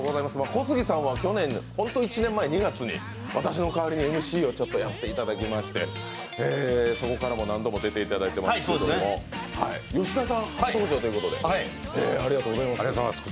小杉さんは去年、ホント１年前、２月に私の代わりにＭＣをやっていただきまして、そこからも何度も出ていただいていますけれども、吉田さん初登場ということでありがとうございます。